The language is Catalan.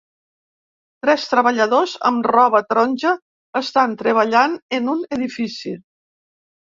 Tres treballadors amb roba taronja estan treballant en un edifici.